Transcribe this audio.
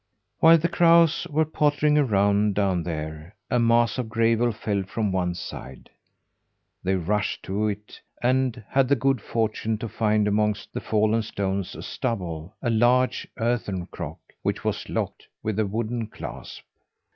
While the crows were pottering around down there, a mass of gravel fell from one side. They rushed up to it, and had the good fortune to find amongst the fallen stones and stubble a large earthen crock, which was locked with a wooden clasp!